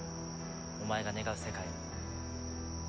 お前が願う世界を。